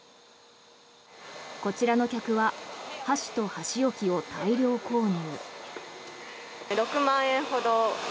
こちらの客は箸と箸置きを大量購入。